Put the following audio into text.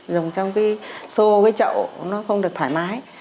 dùng trong cái xô cái chậu nó không được thoải mái